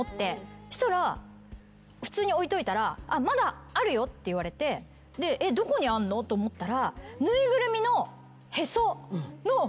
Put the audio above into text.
そしたら普通に置いといたら「まだあるよ」って言われてえっどこにあんの？と思ったら。